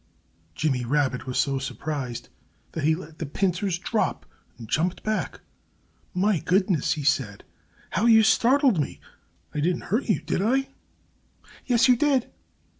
Jimmy Rabbit was so surprised that he let the pincers drop and jumped back. "My goodness!" he said. "How you startled me! I didn't hurt you, did I?" "Yes, you did!"